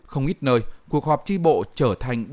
không ít nơi cuộc họp tri bộ trở thành buổi họp